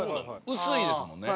薄いですもんね。